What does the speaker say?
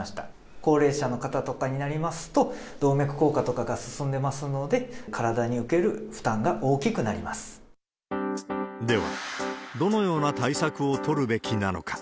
高齢者の方とかになりますと、動脈硬化とかが進んでますので、では、どのような対策を取るべきなのか。